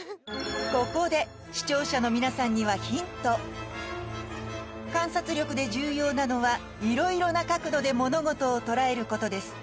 ここで視聴者の皆さんにはヒント観察力で重要なのは色々な角度で物事をとらえることです